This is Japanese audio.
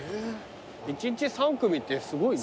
一日３組ってすごいね。